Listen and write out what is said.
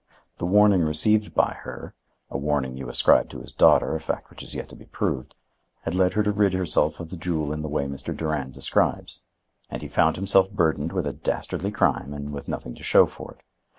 The warning received by her—a warning you ascribe to his daughter, a fact which is yet to be proved—had led her to rid herself of the jewel in the way Mr. Durand describes, and he found himself burdened with a dastardly crime and with nothing to show for it.